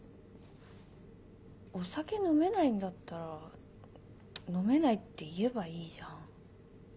お酒飲めないんだったら飲めないって言えばいいじゃん。